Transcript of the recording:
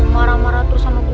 marah marah terus sama